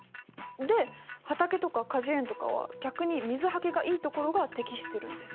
で畑とか果樹園とかは逆に水はけがいいところが適してるんです。